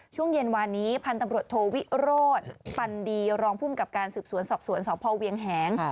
ช่วงเย็นวานนี้พันธุ์ตำรวจโทวิโรธปันดีรองภูมิกับการสืบสวนสอบสวนสพเวียงแหง